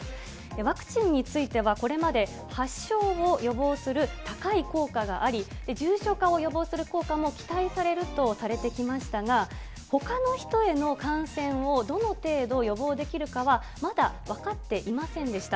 ワクチンについては、これまで発症を予防する高い効果があり、重症化を予防する効果も期待されるとされてきましたが、ほかの人への感染をどの程度予防できるかは、まだ分かっていませんでした。